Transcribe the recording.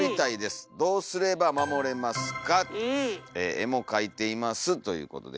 「絵も描いています」ということで。